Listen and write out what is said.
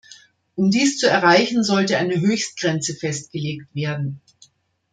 Um dies zu erreichen, sollte eine Höchstgrenze festgelegt werden.